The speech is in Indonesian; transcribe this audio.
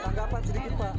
tanggapan sedikit pak